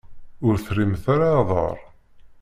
Ur terrimt ara aḍar.